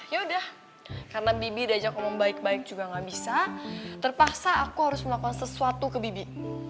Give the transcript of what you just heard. yaudah karena bibi udah ajak aku mau baik baik juga gak bisa terpaksa aku harus melakukan sesuatu ke bibi